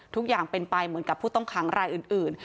ทุกอย่างเป็นไปเหมือนกับผู้ต้องขังรายอื่น